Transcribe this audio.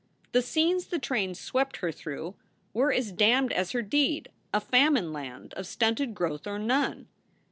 The scenes the train swept her through were as damned as her deed a famine land of stunted growth or none.